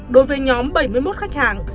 đối với nhóm bảy mươi một khách hàng